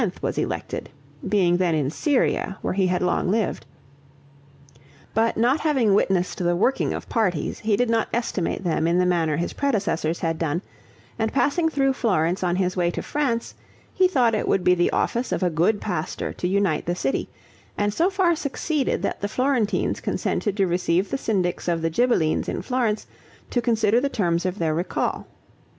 was elected, being then in Syria, where he had long lived; but not having witnessed the working of parties, he did not estimate them in the manner his predecessors had done, and passing through Florence on his way to France, he thought it would be the office of a good pastor to unite the city, and so far succeeded that the Florentines consented to receive the Syndics of the Ghibellines in Florence to consider the terms of their recall.